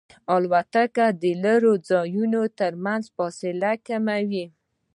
الوتکه د لرې ځایونو ترمنځ فاصله کموي.